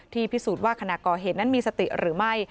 พิสูจน์ว่าขณะก่อเหตุนั้นมีสติหรือไม่